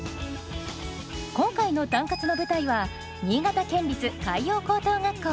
今回の「タンカツ」の舞台は新潟県立海洋高等学校。